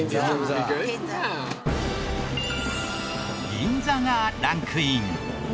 銀座がランクイン。